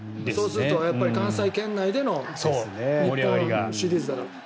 そうすると関西圏内での日本シリーズだから。